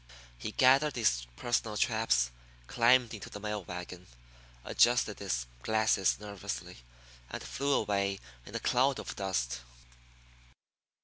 He gathered his personal traps, climbed into the mail wagon, adjusted his glasses nervously, and flew away in a cloud of dust.